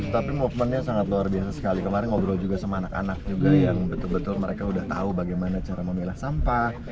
tapi momennya sangat luar biasa sekali kemarin ngobrol juga sama anak anak juga yang betul betul mereka udah tahu bagaimana cara memilah sampah